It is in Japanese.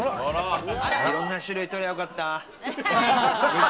いろんな種類取ればよかった。